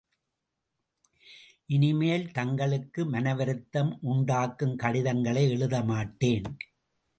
இனிமேல் தங்களுக்கு மனவருத்தம் உண்டாக்கும் கடிதங்களை எழுத மாட்டேன்.